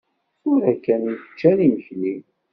Tura kan i ččan imekli.